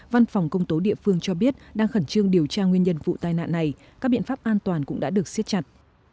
văn phòng công tố địa phương cho biết đang khẩn trương điều tra nguyên nhân vụ tai nạn này các biện pháp an toàn cũng đã được siết chặt